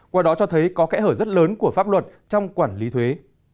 qua đó cho thấy có kẽ hở rất lớn của pháp luật trong quản lý thuế